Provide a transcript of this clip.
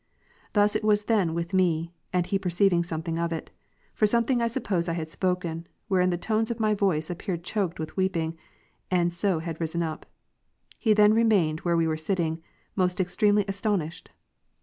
Thus was it then with me, and he perceived something of it; for something I suppose I had spoken, wherein the tones of my voice appeared choked with weeping, and so had risen up. He then remained where we were sitting, most extremely astonished.